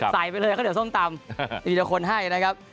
ใส่ไปเลยเขาเดี๋ยวส้มตำอีกเดี๋ยวคนให้นะครับ